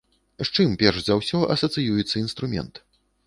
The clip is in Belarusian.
З чым перш за ўсё асацыюецца інструмент?